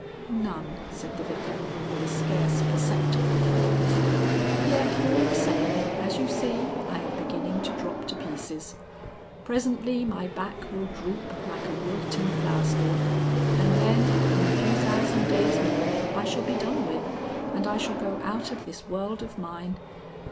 "None," said the Vicar with a scarce perceptible pause. "Yet all the same, as you see, I am beginning to drop to pieces. Presently my back will droop like a wilting flowerstalk. And then, in a few thousand days more I shall be done with, and I shall go out of this world of mine....